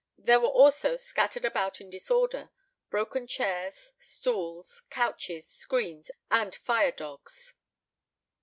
There were also scattered about in disorder, broken chairs, stools, couches, screens, and fire dogs.